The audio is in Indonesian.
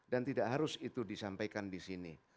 tidak harus itu disampaikan di sini